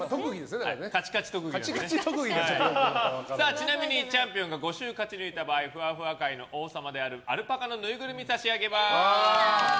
ちなみにチャームポイントが５週勝ち抜いた場合ふわふわ界の王様であるアルパカのぬいぐるみを差し上げます。